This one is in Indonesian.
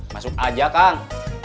masuk aja kang